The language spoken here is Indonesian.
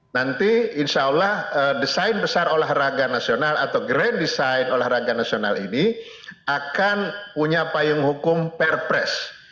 nanti insya allah desain besar olahraga nasional atau grand design olahraga nasional ini akan punya payung hukum perpres